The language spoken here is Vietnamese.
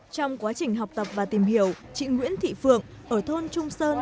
trong quá trình học tập và tìm hiểu chị nguyễn thị phượng ở thôn trung sơn